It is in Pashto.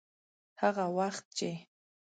هغه وخت چې.